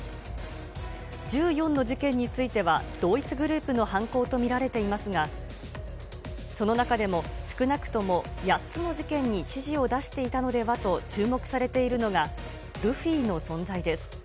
１４の事件については、同一グループの犯行と見られていますが、その中でも、少なくとも８つの事件に指示を出していたのではと注目されているのが、ルフィの存在です。